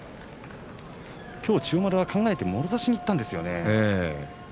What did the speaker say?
きょう千代丸は考えてもろ差しにいったんですよね。